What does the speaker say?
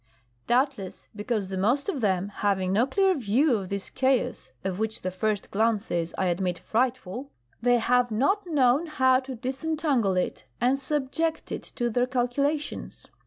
° Doubtless because the most of them having no clear view of this chaos (of which the first glance is, I admit, frightful) they have not known how to disentangle it and subject it to their calculations.